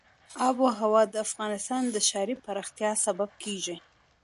آب وهوا د افغانستان د ښاري پراختیا سبب کېږي.